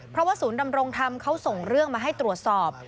เพราะว่าศูนย์ดำรงธรรมเขาส่งเรื่องมาให้ตรวจสอบ